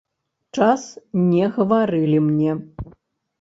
Час не гаварылі мне.